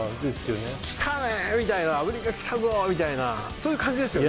きたねーみたいな、アメリカ来たぞみたいな、そういう感じですよね？